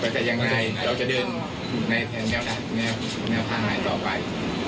แต่ยังไงเขาจะเดินในแนวทางใหม่ต่อไป